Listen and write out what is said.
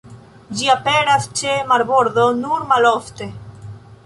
Ĝi aperas ĉe marbordo nur malofte.